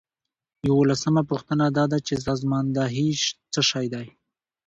یوولسمه پوښتنه دا ده چې سازماندهي څه شی ده.